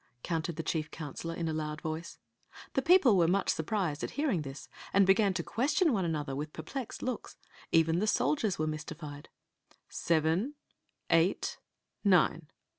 counted the chief counselor, in a loud voice. The people were much surprised at hearing this, A BAGGKD, UMPtMC MUlUUK BNTSHSO THE GATE." and began to question one another with perplexed looks. Even the soldiers were mystified. "Seven, eight, nine!"